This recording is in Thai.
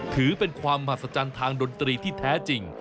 ถือเป็นความมหัศจรรย์ทางดนตรีที่แท้จริง